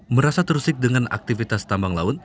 merasa terusik dengan aktivitas tambang laut